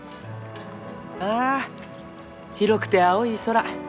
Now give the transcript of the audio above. あ広くて青い空！